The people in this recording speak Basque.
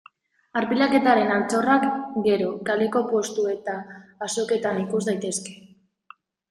Arpilaketaren altxorrak, gero, kaleko postu eta azoketan ikus daitezke.